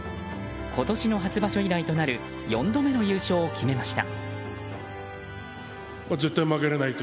今年の初場所以来となる４度目の優勝を決めました。